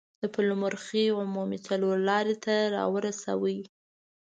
د پلخمري عمومي څلور لارې ته راورسوه.